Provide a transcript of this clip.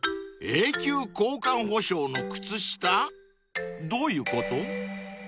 ［永久交換保証の靴下⁉どういうこと？］